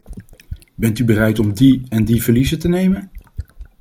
Bent u bereid om die en die verliezen te nemen.